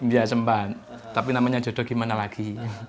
ya sempat tapi namanya jodoh gimana lagi